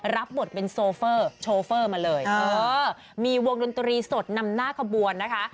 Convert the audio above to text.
มาเลยเออมีวงดนตรีสดนำหน้าขบวนนะคะ